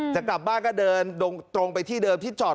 จะกลับบ้านก็เดินตรงไปที่เดิมที่จอด